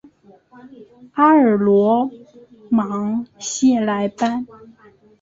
阿尔罗芒谢莱班。